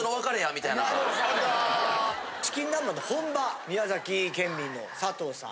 チキンナンバンの本場宮崎県民の佐藤さん